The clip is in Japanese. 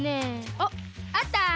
おおあった。